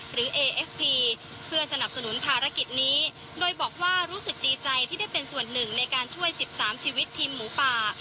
เอเอฟพีเพื่อสนับสนุนภารกิจนี้โดยบอกว่ารู้สึกดีใจที่ได้เป็นส่วนหนึ่งในการช่วย๑๓ชีวิตทีมหมูป่า